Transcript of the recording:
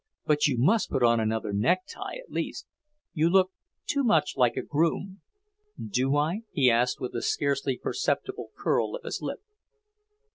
But you must put on another necktie, at least. You look too much like a groom." "Do I?" he asked, with a scarcely perceptible curl of his lip.